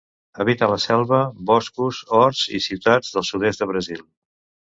Habita la selva, boscos, horts i ciutats del sud-est de Brasil.